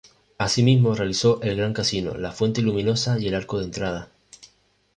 Asimismo realizó el Gran Casino, la fuente luminosa y el arco de entrada.